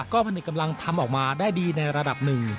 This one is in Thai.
ก็ผนึกกำลังทำออกมาได้ดีในระดับหนึ่ง